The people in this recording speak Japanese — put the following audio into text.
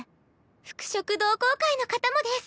服飾同好会の方もです！